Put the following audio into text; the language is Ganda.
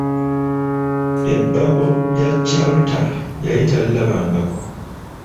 Ebbago lya Chalter yali talirabangako.